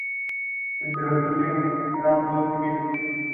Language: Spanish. Entre los últimos se encontraban dos civiles.